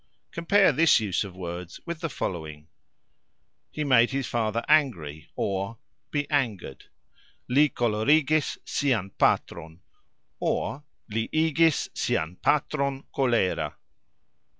Compare this use of words with the following: He made his father angry (or, be angered). "Li kolerigis sian patron", or, "li igis sian patron kolera".